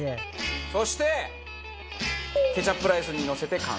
そしてケチャップライスにのせて完成です。